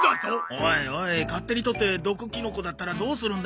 おいおい勝手にとって毒キノコだったらどうするんだ？